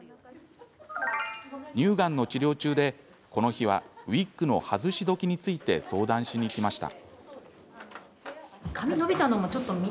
乳がんの治療中で、この日はウイッグの外し時について相談しに来ました。